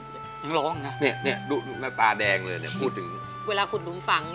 ยังร้องนะเนี่ยดูหน้าตาแดงเลยเนี่ยพูดถึงเวลาขุดหลุมฝัง